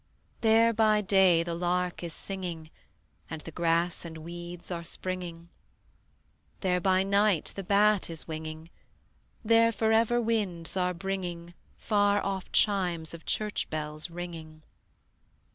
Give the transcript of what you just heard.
There by day the lark is singing And the grass and weeds are springing: There by night the bat is winging; There forever winds are bringing Far off chimes of church bells ringing.